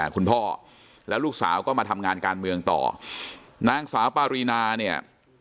คุณพ่อแล้วลูกสาวก็มาทำงานการเมืองต่อนางสาวปารีนาเนี่ย